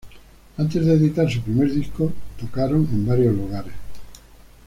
Antes de editar su primer disco tocaron en varios lugares.